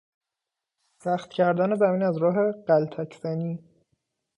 سخت کردن زمین از راه غلتک زنی